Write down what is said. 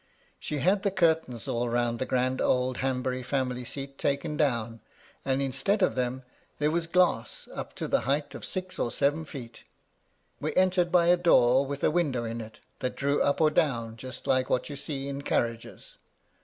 She had the curtains all round the grand old Hanbury family seat taken down, and, instead of them, there was glass up to the height of six or seven feet. We entered by a door, with a window in it that drew up or down just like what you see in carriages.